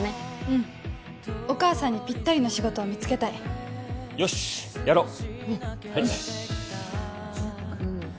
うんお母さんにぴったりの仕事を見つけたいよしやろう